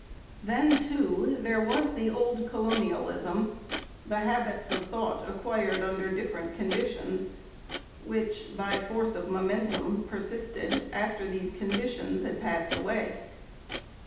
Then, too, there was the old colonialism, the habits of thought acquired under different conditions, which, by force of momentum, persisted after these conditions had passed away.